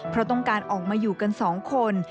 เพราะต้องการออกมาอยู่กันสองคน